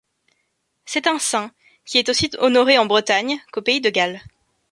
C'est un saint, qui est aussi honoré en Bretagne, qu'au pays de Galles.